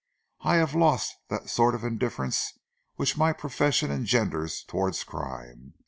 I have lost that sort of indifference which my profession engenders towards crime.